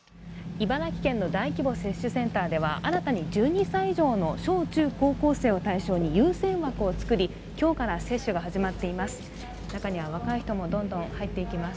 茨城県の大規模接種センターでは、新たに１２歳以上の小中高校生を対象に優先枠をつくり、今日から接種が始まっています。